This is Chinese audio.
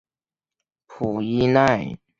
普伊奈。